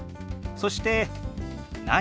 そして「何？」。